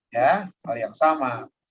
ya hal yang sama